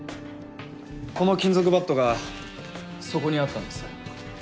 この金属バットがそこにあったんです。